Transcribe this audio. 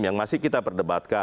yang masih kita pendebatkan